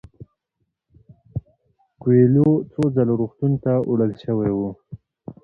کویلیو څو ځله روغتون ته وړل شوی و.